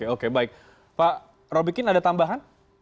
oke baik pak robikin ada tambahan